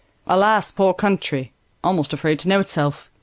Alas, poor country; Almost afraid to know itself!